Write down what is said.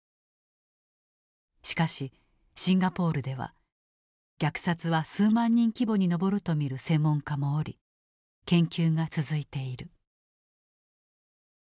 しかしシンガポールでは虐殺は数万人規模に上ると見る専門家もおり研究が続いている。